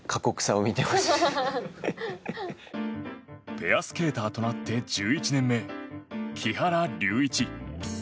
ペアスケーターとなって１１年目、木原龍一。